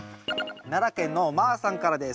奈良県のまぁさんからです。